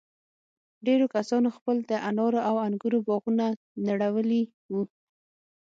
ډېرو کسانو خپل د انارو او انگورو باغونه نړولي وو.